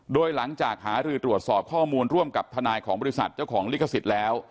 โดยหลังจากหารือตรวจสอบข้อมูลร่วมกับทนายของบริษัทเจ้าของลิขสิทธิ์แล้ว